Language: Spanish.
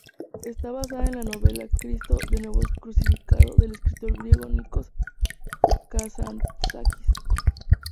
Está basada en la novela Cristo de nuevo crucificado del escritor griego Nikos Kazantzakis.